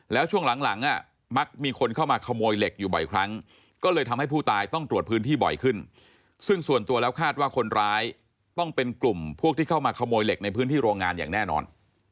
แล้วช่วงหลังมักมีคนเข้ามาขโมยเหล็กอยู่บ่อยครั้งก็เลยทำให้ผู้ตายต้องตรวจพื้นที่บ่อยขึ้นซึ่งส่วนตัวแล้วคาดว่าคนร้ายต้องเป็นกลุ่มพวกที่เข้ามาขโมยเหล็กในพื้นที่โรงงานอย่างแน่นอน